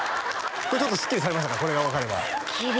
これちょっとスッキリされましたかこれが分かればスッキリ